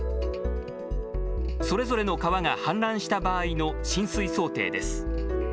それぞれの川が氾濫した場合の浸水想定です。